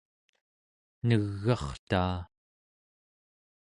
neg'artaa